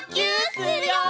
するよ！